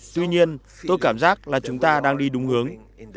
tuy nhiên tôi cảm giác là chúng ta đang đi đúng hướng